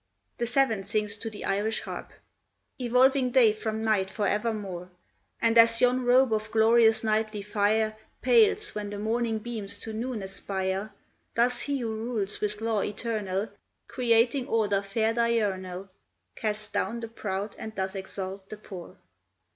[The seventh sings to the Irish harp.] Evolving day from night for evermore! And as yon robe of glorious nightly fire Pales when the morning beams to noon aspire, Thus He who rules with law eternal, Creating order fair diurnal, Casts down the proud and doth exalt the poor.